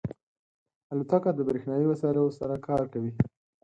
الوتکه د بریښنایی وسایلو سره کار کوي.